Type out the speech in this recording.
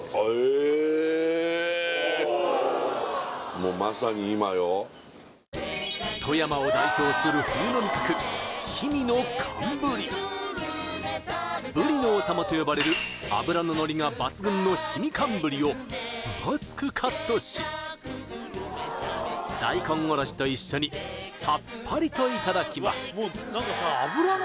もうまさに今よ富山を代表する冬の味覚ブリの王様と呼ばれる脂ののりが抜群の氷見寒ブリを分厚くカットし大根おろしと一緒にサッパリといただきます